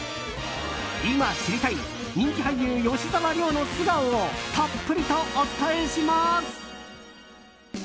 今知りたい、人気俳優・吉沢亮の素顔をたっぷりとお伝えします！